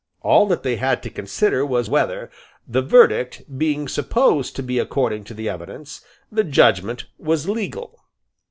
All that they had to consider was whether, the verdict being supposed to be according to the evidence, the judgment was legal.